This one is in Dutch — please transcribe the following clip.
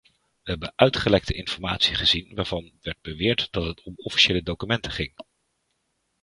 We hebben uitgelekte informatie gezien waarvan werd beweerd dat het om officiële documenten ging.